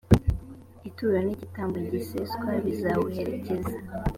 ituro n’igitambo giseswa bizawuherekeza.